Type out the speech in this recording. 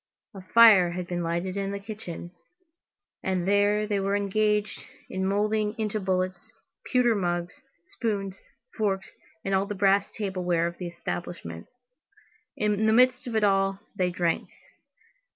A fire had been lighted in the kitchen, and there they were engaged in moulding into bullets, pewter mugs, spoons, forks, and all the brass table ware of the establishment. In the midst of it all, they drank.